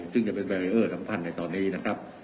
ซึ่งจะเป็นสัมพันธ์ในตอนนี้นะครับ